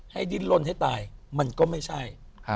ดินลนให้ตายมันก็ไม่ใช่